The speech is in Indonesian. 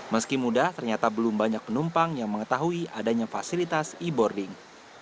meski mudah ternyata belum banyak penumpang yang mengetahui adanya fasilitas e boarding